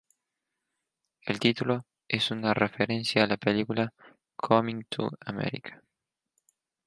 El título es una referencia a la película "Coming to America".